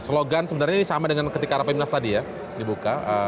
slogan sebenarnya ini sama dengan ketika rp sembilan belas tadi ya dibuka